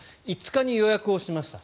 ５日に予約をしました。